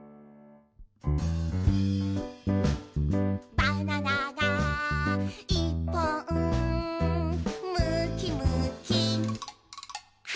「バナナがいっぽん」「むきむきはんぶんこ！」